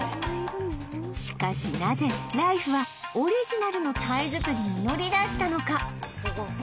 しかしなぜライフはオリジナルの鯛づくりに乗り出したのか？